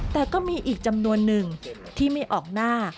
แต่ก็มีอีกจำนวนหนึ่งที่ไม่ออกหน้า